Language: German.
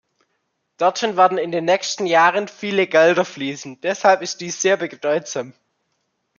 Dorthin werden in den nächsten Jahren viele Gelder fließen, deshalb ist dies sehr bedeutsam.